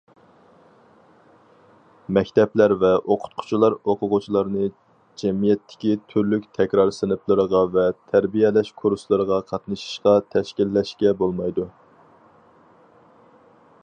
مەكتەپلەر ۋە ئوقۇتقۇچىلار ئوقۇغۇچىلارنى جەمئىيەتتىكى تۈرلۈك تەكرار سىنىپلىرىغا ۋە تەربىيەلەش كۇرسلىرىغا قاتنىشىشقا تەشكىللەشكە بولمايدۇ.